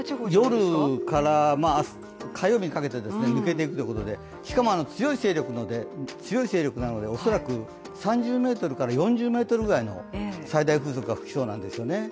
夜から火曜日にかけて抜けていくということで、しかも強い勢力なので恐らく３０メートルから４０メートルぐらいの最大風速が吹きそうなんですよね。